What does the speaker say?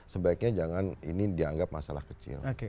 sebaiknya jangan ini dianggap masalah kecil